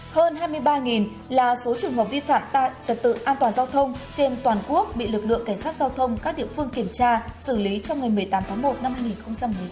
hơn hai mươi ba là số trường hợp vi phạm trật tự an toàn giao thông trên toàn quốc bị lực lượng cảnh sát giao thông các địa phương kiểm tra xử lý trong ngày một mươi tám tháng một năm hai nghìn một mươi chín